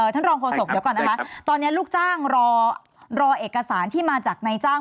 ท่านรองโฆษกเดี๋ยวก่อนนะคะตอนนี้ลูกจ้างรอเอกสารที่มาจากนายจ้าง